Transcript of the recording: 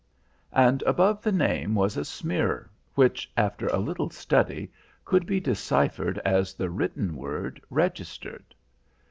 and above the name was a smear which, after a little study, could be deciphered as the written word "Registered."